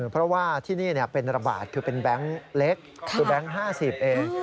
เพราะว่าที่นี่เป็นระบาดคือเป็นแบงค์เล็กคือแบงค์๕๐เอง